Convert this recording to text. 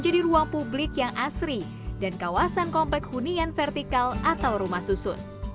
di kawasan komplek hunian vertikal atau rumah susun